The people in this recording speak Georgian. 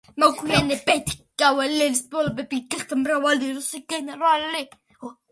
მოგვიანებით კავალერიის მფლობელები გახდა მრავალი რუსი გენერალი.